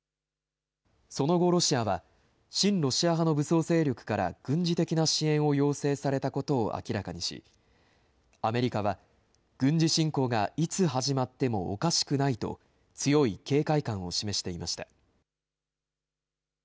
その後、ロシアは親ロシア派の武装勢力から軍事的な支援を要請されたことを明らかにしアメリカは軍事侵攻がいつ始まってもおかしくないと強い警戒感を示していました。